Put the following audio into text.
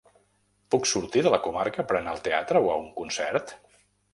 Puc sortir de la comarca per anar al teatre o a un concert?